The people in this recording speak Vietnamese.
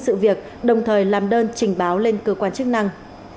sự việc đồng thời làm đơn trình báo lên cơ quan chức năng